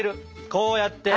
こうやって。